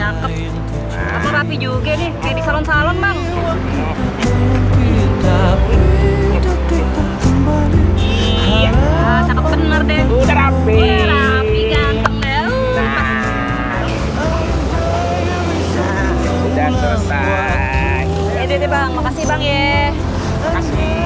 makasih banget ya